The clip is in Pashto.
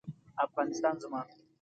افغانستان زما